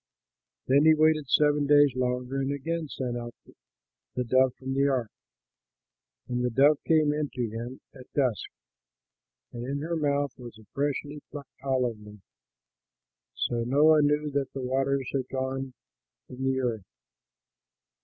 Then he waited seven days longer and again sent out the dove from the ark. And the dove came in to him at dusk; and in her mouth was a freshly plucked olive leaf. So Noah knew that the waters had gone from the earth.